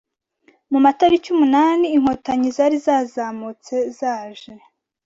mu matariki umunani Inkotanyi zari zamanutse zaje